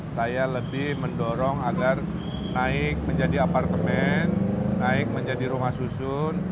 saya lebih mendorong agar naik menjadi apartemen naik menjadi rumah susun